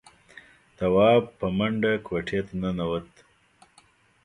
تواب په منډه کوټې ته ننوت.